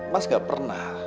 mas gak pernah